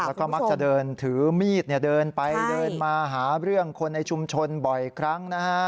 แล้วก็มักจะเดินถือมีดเดินไปเดินมาหาเรื่องคนในชุมชนบ่อยครั้งนะฮะ